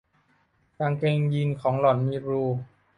กางเกงยีนของหล่อนมีรู